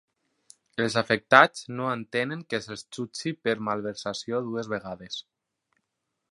Els afectats no entenen que se'ls jutgi per malversació dues vegades.